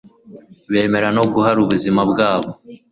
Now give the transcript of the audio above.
bemera no guhara ubuzima bwabo